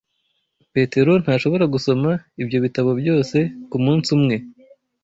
Petero ntashobora gusoma ibyo bitabo byose kumunsi umwe.